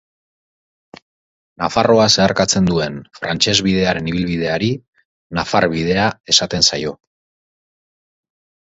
Nafarroa zeharkatzen duen Frantses bidearen ibilbideari Nafar bidea esaten zaio.